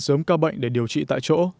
để thể hiện sớm ca bệnh để điều trị tại chỗ